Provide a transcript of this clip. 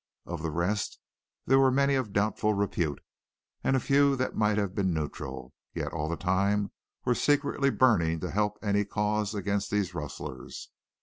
Of the rest there were many of doubtful repute, and a few that might have been neutral, yet all the time were secretly burning to help any cause against these rustlers.